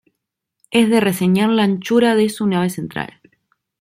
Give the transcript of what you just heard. Es de reseñar la anchura de su nave central.